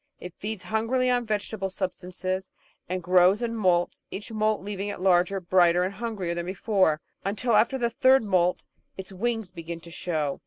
It feeds hungrily on vegetable sub stances, and grows and moults, each moult leaving it larger, brighter, and hungrier than before, until after the third moult its wings begin to show.